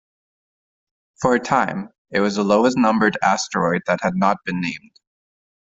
For a time, it was the lowest numbered asteroid that had not been named.